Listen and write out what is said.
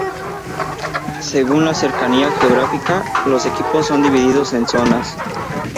Según la cercanía geográfica, los equipos son divididos en zonas.